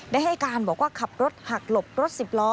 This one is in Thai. ได้ให้การบอกว่าขับรถหักหลบรถสิบล้อ